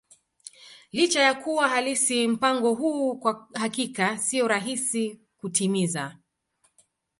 Licha ya kuwa halisi, mpango huu kwa hakika sio rahisi kutimiza.